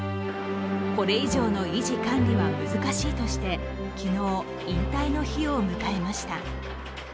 これ以上の維持管理は難しいとして昨日、引退の日を迎えました。